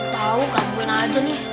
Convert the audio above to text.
tau kan gue naekin nih